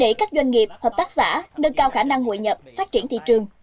để các doanh nghiệp hợp tác xã nâng cao khả năng hội nhập phát triển thị trường